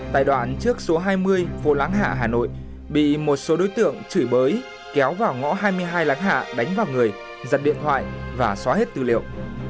tại đoạn trước số hai mươi phố láng hạ hà nội bị một số đối tượng chửi bới kéo vào ngõ hai mươi hai láng hạ đánh vào người giật điện thoại và xóa hết tư liệu